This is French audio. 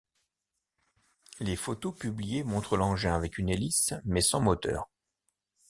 Les photos publiées montrent l'engin avec une hélice mais sans moteur.